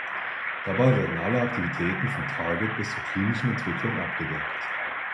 Dabei werden alle Aktivitäten vom Target bis zur klinischen Entwicklung abgedeckt.